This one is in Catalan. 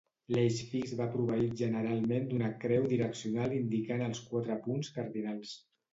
L'eix fix va proveït generalment d'una creu direccional indicant els quatre punts cardinals.